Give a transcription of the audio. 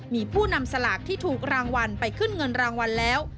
มีผู้นำสลากที่ถูกรางวัลไปขึ้นเงินรางวัลแล้ว